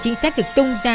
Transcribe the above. chính xác được tung ra